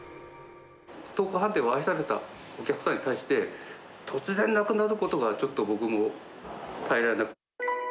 東光飯店を愛されたお客さんに対して、突然なくなることは、ちょっと僕も耐えられない。